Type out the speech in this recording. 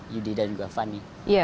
yudi dan juga fanny